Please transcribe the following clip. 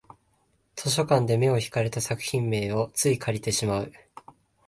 図書館で目を引かれた作品名をつい借りてしまう